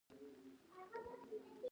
تواب د نري هلک مخې ته ودرېد: